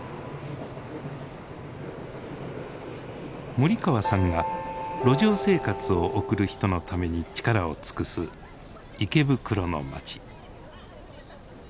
森川さんが路上生活を送る人のために力を尽くす池袋の街。